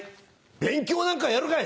勉強なんかやるかい！